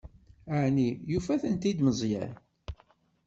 Ɛni yufa-ten-id Meẓyan?